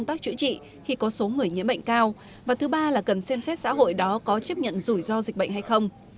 thứ ba là cần xem xét xã hội đó có chấp nhận rủi ro dịch bệnh hay không